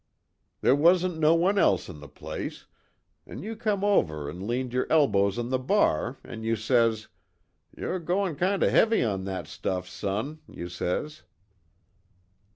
There wasn't no one else in the place, an' you come over an' leaned yer elbows on the bar, an' you says: 'Yer goin' kind of heavy on that stuff, son,' you says.